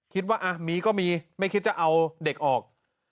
คิดว่ามีก็มีไม่คิดจะเอาเด็กออก